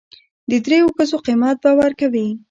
د درېو ښځو قيمت به ور کوي.